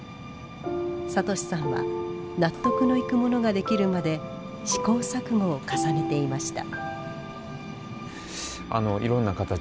聡さんは納得のいくものができるまで試行錯誤を重ねていました。